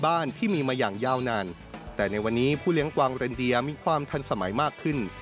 หลังจากนิยามัยการจ้างจึงเหลือกวิคเวียสตราเป็นทางแรงสมัยมากขึ้น